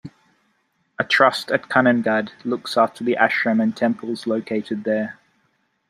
A trust at Kanhangad looks after the Ashram and temples located there.